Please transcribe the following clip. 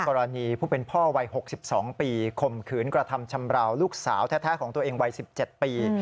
กรณีผู้เป็นพ่อวัย๖๒ปีข่มขืนกระทำชำราวลูกสาวแท้ของตัวเองวัย๑๗ปี